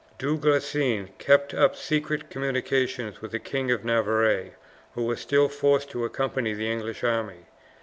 Du Guesclin kept up secret communications with the King of Navarre, who was still forced to accompany the English army.